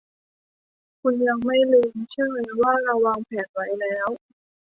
คุณยังไม่ลืมใช่ไหมว่าเราวางแผนไว้แล้ว